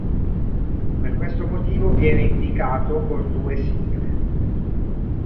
Per questo motivo viene indicato con due sigle.